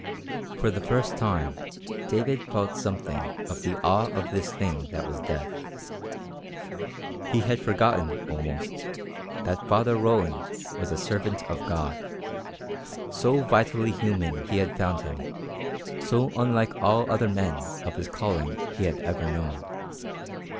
For the first time David felt something of the awe of this thing that was death. He had forgotten, almost, that Father Roland was a servant of God, so vitally human had he found him, so unlike all other men of his calling he had ever known.